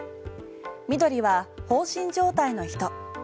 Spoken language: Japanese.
緑は、放心状態の人。